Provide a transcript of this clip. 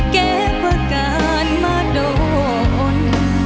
แก้ประการมาโดน